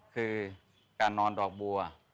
คือการนอนดอกบว๐๐๐